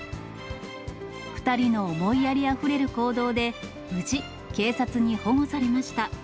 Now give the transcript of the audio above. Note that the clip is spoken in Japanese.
２人の思いやりあふれる行動で、無事、警察に保護されました。